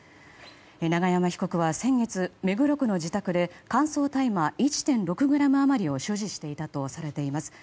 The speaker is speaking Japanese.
永山被告は先月、目黒区の自宅で乾燥大麻１．６ｇ余りを所持していたとされています。